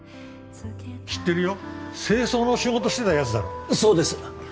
・知ってるよ清掃の仕事してたヤツだろそうです